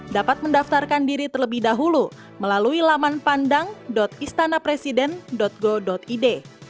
dapat mendaftarkan diri terlebih dahulu melalui laman pandang istana presiden go id